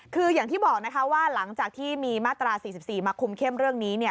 คืออย่างที่บอกนะคะว่าหลังจากที่มีมาตรา๔๔มาคุมเข้มเรื่องนี้